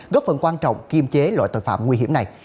góp phần quan trọng kiềm chế loại tội phạm nguy hiểm này